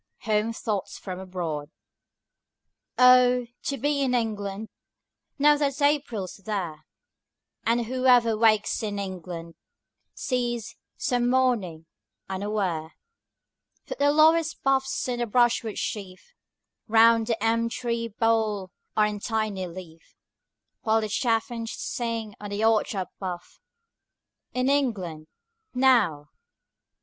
HOME THOUGHTS, FROM ABROAD Oh, to be in England Now that April's there, And whoever wakes in England Sees, some morning, unaware, That the lowest boughs and the brushwood sheaf 5 Round the elm tree hole are in tiny leaf, While the chaffinch sings on the orchard bough In England now!